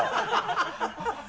ハハハ